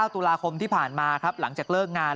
ตุลาคมที่ผ่านมาครับหลังจากเลิกงาน